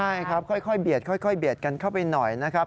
ใช่ครับค่อยเบียดค่อยเบียดกันเข้าไปหน่อยนะครับ